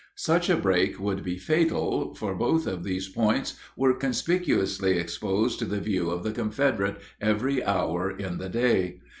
Such a break would be fatal, for both of these points were conspicuously exposed to the view of the Confederates every hour in the day.